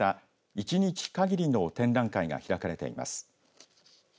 １日限りの展覧会が開かれています。